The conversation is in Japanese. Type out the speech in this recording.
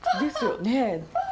ですよね。